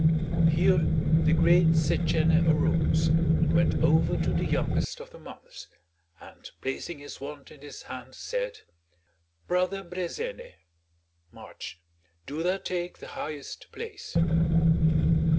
Here the great Setchène arose and went over to the youngest of the months, and placing his wand in his hand, said: "Brother Brezène (March), do thou take the highest place."